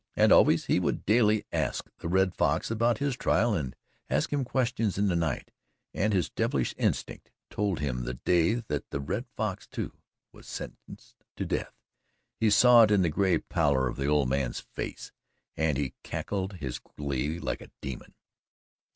And always he would daily ask the Red Fox about his trial and ask him questions in the night, and his devilish instinct told him the day that the Red Fox, too, was sentenced to death he saw it in the gray pallour of the old man's face, and he cackled his glee like a demon.